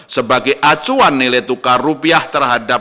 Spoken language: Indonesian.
sebagai acuan untuk kebijakan kebijakan moneter dan kebijakan ekonomi nasional